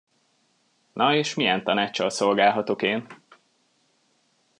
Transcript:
Na és milyen tanáccsal szolgálhatok én?